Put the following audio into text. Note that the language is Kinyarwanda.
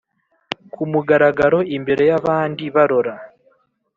ku mugaragaro imbere y’ abandi barora,